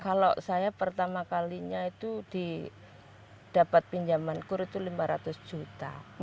kalau saya pertama kalinya itu dapat pinjaman kur itu lima ratus juta